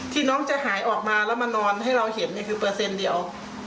ที่น้องจะหายออกมาแล้วมานอนให้เราเห็นคือเปอร์เซ็นต์เดียว